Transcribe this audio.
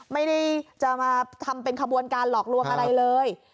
ไม่ได้จะมาทำเป็นขบวนการหลอกลวงอะไรเลย